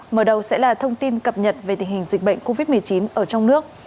mở đầu sẽ là thông tin cập nhật về tình hình dịch bệnh covid một mươi chín ở trong nước